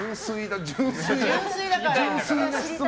純粋な質問。